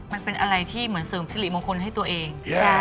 มันเป็นอะไรที่เหมือนเสริมสิริมงคลให้ตัวเอง